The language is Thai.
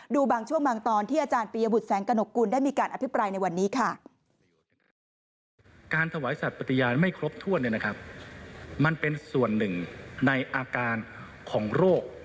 ดูบางช่วงบางตอนที่อาจารย์ปียบุษแสงกระหนกกุล